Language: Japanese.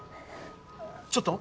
ちょっと？